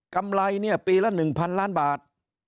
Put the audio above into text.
กำไรปีละ๑๐๐๐ล้านบาท